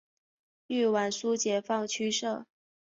豫皖苏解放区设。